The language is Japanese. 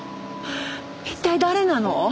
一体誰なの？